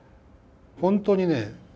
本当にね